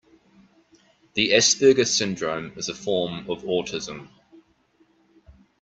The Asperger syndrome is a form of autism.